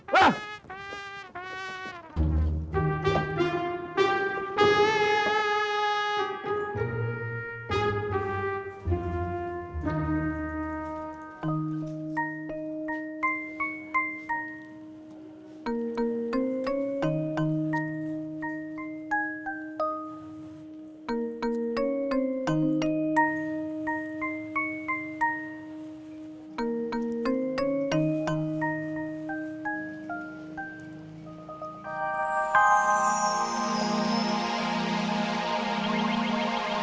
sari kekenceng dong